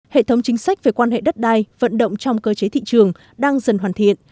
hệ thống chính sách về quan hệ đất đai vận động trong cơ chế thị trường đang dần hoàn thiện